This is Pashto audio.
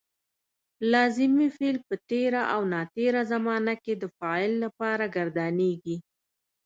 لازمي فعل په تېره او ناتېره زمانه کې د فاعل لپاره ګردانیږي.